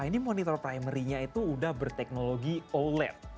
ini monitor primary nya itu udah berteknologi oled